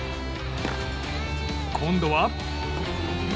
今度は。